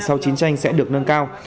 sau chiến tranh sẽ được nâng cao